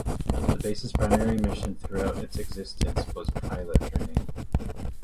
The base's primary mission throughout its existence was pilot training.